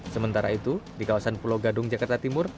sementara itu di kawasan pulau gadung jakarta timur